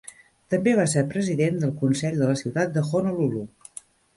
També va ser president del Consell de la Ciutat de Honolulu.